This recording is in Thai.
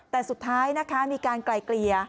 แต่สุดท้ายนะคะมีการไกลเกลี่ย